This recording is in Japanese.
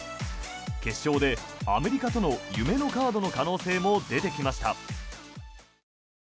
決勝でアメリカとの夢のカードの可能性も出てきました。